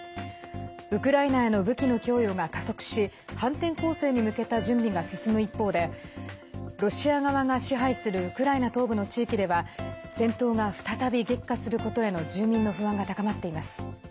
ウクライナへの武器の供与が加速し反転攻勢に向けた準備が進む一方でロシア側が支配するウクライナ東部の地域では戦闘が再び激化することへの住民の不安が高まっています。